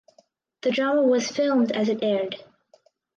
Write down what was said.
The drama was filmed as it aired.